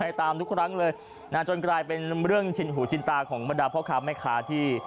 ตามทุกครั้งเลยนะจนกลายเป็นเรื่องชินหูชินตาของบรรดาพ่อค้าแม่ค้าที่